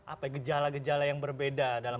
apa gejala gejala yang berbeda dalam